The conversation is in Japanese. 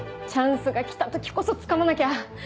チャンスが来た時こそつかまなきゃ！